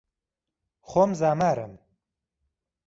خۆم زامارم